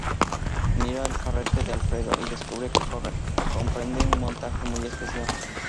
Mira el carrete de Alfredo y descubre que comprende un montaje muy especial.